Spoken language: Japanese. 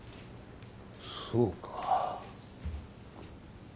そうか。